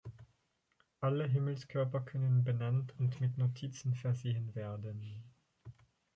Alle Himmelskörper können benannt und mit Notizen versehen werden.